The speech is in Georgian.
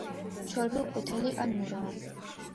ჩვეულებრივ ყვითელი ან მურაა.